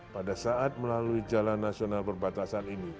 pada saat melalui jalan nasional perbatasan ini